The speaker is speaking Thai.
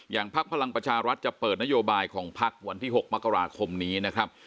พักพลังประชารัฐจะเปิดนโยบายของพักวันที่๖มกราคมนี้นะครับ